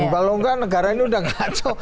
kalau tidak negara ini sudah tidak cocok